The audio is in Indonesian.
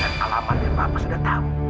dan alamatnya papa sudah tahu